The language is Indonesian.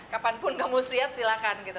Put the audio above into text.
kapanpun kamu siap silahkan gitu